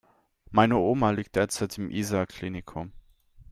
Meine Oma liegt derzeit im Isar Klinikum.